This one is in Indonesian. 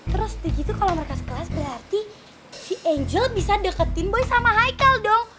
terus di situ kalo mereka sekelas berarti si angel bisa deketin boy sama haikal dong